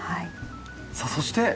さあそして。